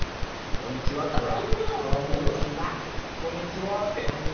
「こんにちは」ってほら。